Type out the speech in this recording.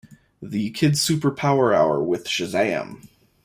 The Kid Super Power Hour with Shazam!